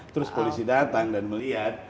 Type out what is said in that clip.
terus polisi datang dan melihat